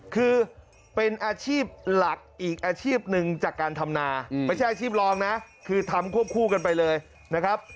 คือเป็นอาชีพหลักอีกอาชีพหนึ่งจากการทำนาไม่ใช่อาชีพรองนะคือทำควบคู่กันไปเลยนะครับ